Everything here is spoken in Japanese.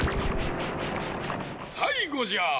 さいごじゃ！